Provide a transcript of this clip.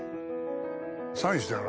サインしてるな。